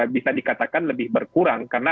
bisa dikatakan lebih berkurang karena